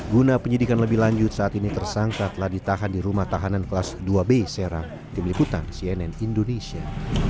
guna penyelidikan lebih lanjut saat ini tersangka telah ditahan di rumah tahanan kelas dua b serang tim liputan cnn indonesia